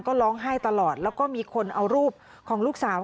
ก็ร้องไห้ตลอดแล้วก็มีคนเอารูปของลูกสาว